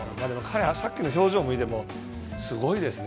さっきの表情を見てもすごいですね。